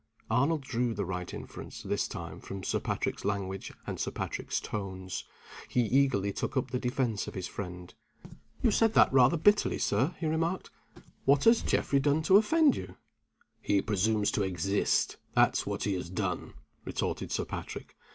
Arnold drew the right inference, this time, from Sir Patrick's language and Sir Patrick's tones. He eagerly took up the defense of his friend. "You said that rather bitterly, Sir," he remarked. "What has Geoffrey done to offend you?" "He presumes to exist that's what he has done," retorted Sir Patrick.